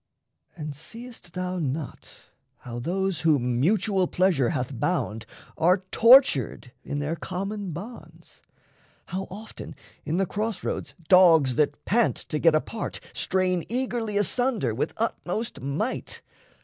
And seest thou not how those whom mutual pleasure Hath bound are tortured in their common bonds? How often in the cross roads dogs that pant To get apart strain eagerly asunder With utmost might?